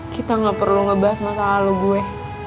kita gak perlu ngebahas masalah lo gue